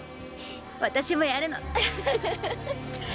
私もやるの。